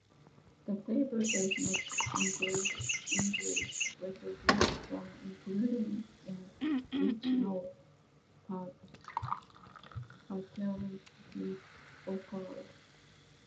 The table does not include injuries resulting from incidents in which no fatalities occurred.